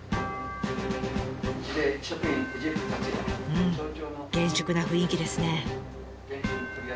うん厳粛な雰囲気ですね。